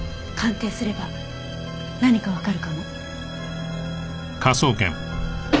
鑑定すれば何かわかるかも。